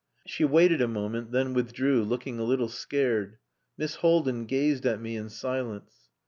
She waited a moment, then withdrew, looking a little scared. Miss Haldin gazed at me in silence.